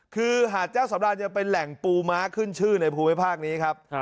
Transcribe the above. คือหาดเจ้าสำรานยังเป็นแหล่งปูม้าขึ้นชื่อในภูมิภาคนี้ครับ